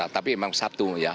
tapi memang sabtu ya